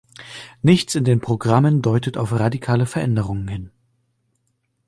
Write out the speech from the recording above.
Nichts in den Programmen deutet auf radikale Veränderungen hin.